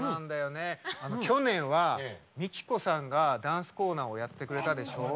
去年はＭＩＫＩＫＯさんがダンスコーナーをやってくれたでしょ？